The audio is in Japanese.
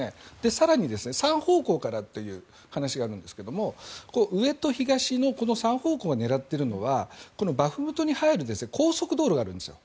更に、３方向からだという話があるんですが上と東の３方向を狙っているのはバフムトに入る高速道路があるんですよ。